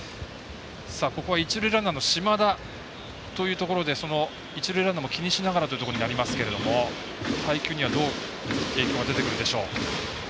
ここは一塁ランナーの島田というところで一塁ランナーも気にしながらというところになりますけど配球にはどう影響が出てくるでしょう。